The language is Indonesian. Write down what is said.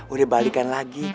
udah balikan lagi